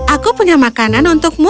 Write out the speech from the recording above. aku punya makanan untukmu